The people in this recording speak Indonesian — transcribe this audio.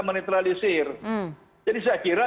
menetralisir jadi saya kira